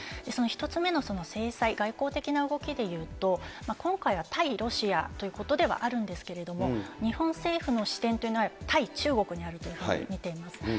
その１つ目の制裁、外交的な動きでいうと、今回は対ロシアということではあるんですけれども、日本政府の視点というのは、対中国にあるというふうに見ています。